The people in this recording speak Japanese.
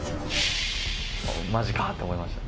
まじかって思いました。